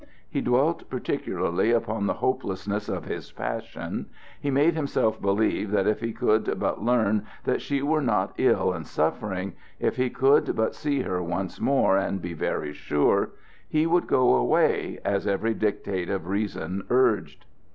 He dwelt particularly upon the hopelessness of his passion; he made himself believe that if he could but learn that she were not ill and suffering if he could but see her once more, and be very sure he would go away, as every dictate of reason urged.